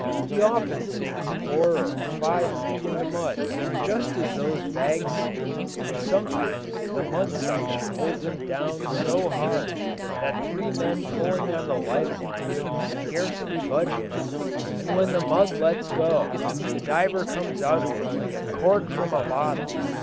He often sinks four or five feet in the mud, just as those bags sink, and sometimes the mud suction holds him down so hard that three men pulling on the life line can scarcely budge him. And when the mud lets go the diver comes out of it like a cork from a bottle.